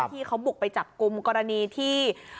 ที่เขาบุกไปจับกลุ่มกรณีที่